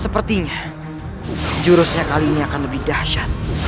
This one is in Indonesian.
sepertinya jurusnya kali ini akan lebih dahsyat